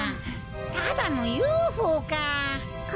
ただのＵＦＯか。